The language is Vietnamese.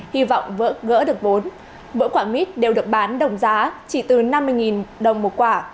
hy vọng vỡ gỡ được vốn mỗi quả mít đều được bán đồng giá chỉ từ năm mươi đồng một quả